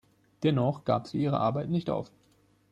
Dennoch gab sie ihre Arbeit nicht auf.